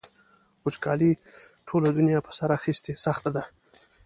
وچکالۍ ټوله دنیا په سر اخیستې سخته ده.